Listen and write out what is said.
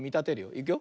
いくよ。